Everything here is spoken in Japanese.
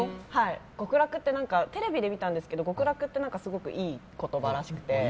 テレビで見たんですけど極楽ってすごくいい言葉らしくて。